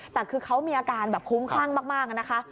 แต่คือเขามีอาการแบบคุ้มคลั่งมากนะคะ